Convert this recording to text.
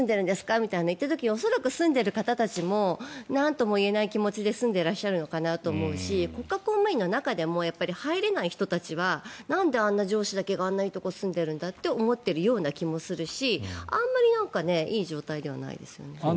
って言った時に恐らく住んでる方たちもなんとも言えない気持ちで住んでいらっしゃるのかなと思うし、国家公務員の中でも入れない人たちはなんであんな、上司だけがあんないいところに住んでいるんだって思っているような気もするしあまりいい状態ではないですよね。